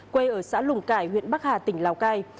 quê ở xã lùng cải huyện bắc hà tỉnh lào cai